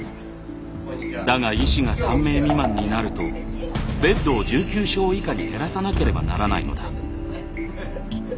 だが医師が３名未満になるとベッドを１９床以下に減らさなければならないのだ。